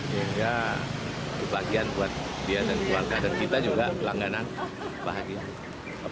ya sebagian buat dia dan buang kata kita juga pelangganan bahagia